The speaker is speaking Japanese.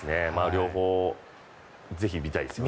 両方ぜひ見たいですよね。